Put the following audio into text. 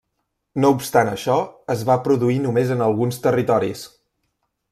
No obstant això, es va produir només en alguns territoris.